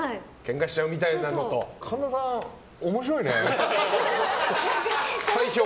神田さん、面白いね。